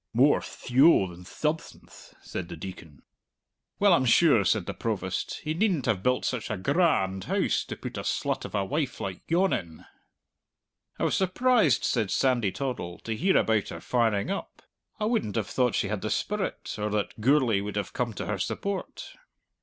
"More thyow than thubstanth," said the Deacon. "Well, I'm sure!" said the Provost, "he needn't have built such a gra and house to put a slut of a wife like yon in!" "I was surprised," said Sandy Toddle, "to hear about her firing up. I wouldn't have thought she had the spirit, or that Gourlay would have come to her support!"